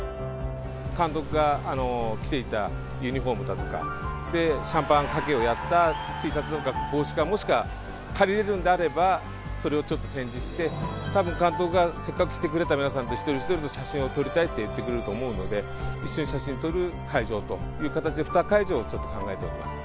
監督が着ていたユニホームだとか、シャンパンかけをやったＴシャツとか帽子か、もしくわ借りれるんであれば、それをちょっと展示して、たぶん監督がせっかく来てくれた皆さんと、一人一人と写真を撮りたいと言ってくれると思うので、一緒に写真を撮る会場という形で、２会場をちょっと考えております。